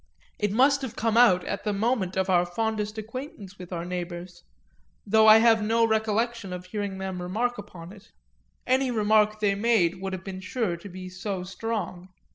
It must have come out at the moment of our fondest acquaintance with our neighbours, though I have no recollection of hearing them remark upon it any remark they made would have been sure to be so strong.